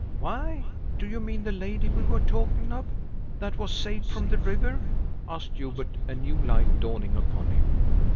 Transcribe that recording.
"Why, do you mean the lady we were talking of, that was saved from the river?" asked Hubert, a new light dawning upon him.